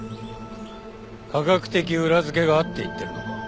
科学的裏付けがあって言ってるのか？